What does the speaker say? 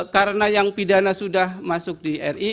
karena yang pidana sudah masuk di ri